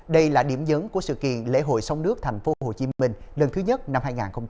đây là điểm dấn của sự kiện lễ hội sông nước thành phố hồ chí minh lần thứ nhất năm hai nghìn hai mươi ba